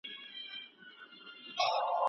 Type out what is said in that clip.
له بله اړخه ټولنه د اصلاح خواته سوق سي